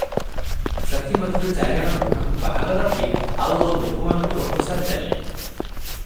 ସେଥିମଧ୍ୟରୁ ଚାରିଜଣ ଗୁହାଙ୍କୁ ବାହାଲ ରଖି ଆଉ ଆଉ ଲୋକମାନଙ୍କୁ ରୋକସାତ୍ ଦେଲେ ।